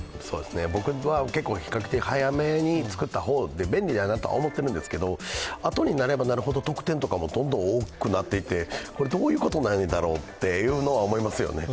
僕は比較的早めに作った方で、便利だなと思っているんですけど、あとになればなるほど特典とかも多くなっていってどういうことなんだろうっていうのは思いますよね。